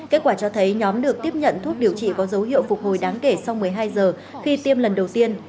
kết quả cho thấy nhóm được tiếp nhận thuốc điều trị có dấu hiệu phục hồi đáng kể sau một mươi hai giờ khi tiêm lần đầu tiên